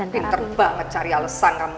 pinter banget cari alesan kan